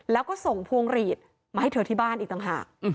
แล้วก็ส่งพวงหลีดมาให้เธอที่บ้านอีกต่างหาก